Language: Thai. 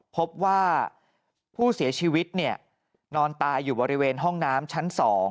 พบว่าผู้เสียชีวิตนอนตายอยู่บริเวณห้องน้ำชั้น๒